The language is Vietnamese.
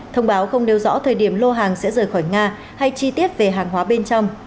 thông báo không nêu rõ thời điểm lô hàng sẽ rời khỏi nga hay chi tiết về hàng hóa bên trong